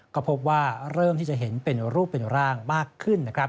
ก็พบว่าเริ่มที่จะเห็นเป็นรูปเป็นร่างมากขึ้นนะครับ